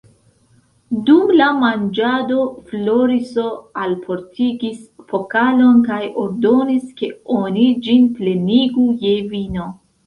Dum la manĝado Floriso alportigis pokalon kaj ordonis, ke oni ĝin plenigu je vino.